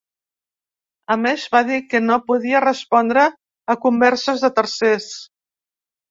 A més, va dir que no podia respondre a converses de ‘tercers’.